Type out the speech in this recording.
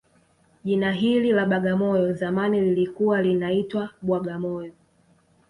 Jina hili la bagamoyo zamani lilikuwa linaitwa Bwagamoyo